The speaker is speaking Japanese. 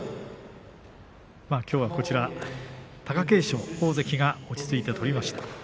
きょうは貴景勝大関が落ち着いて取りました。